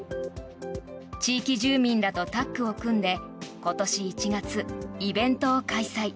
地域住民らとタッグを組んで今年１月イベントを開催。